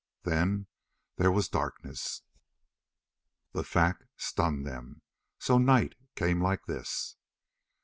Then there was darkness. The fact stunned them. So night came like this!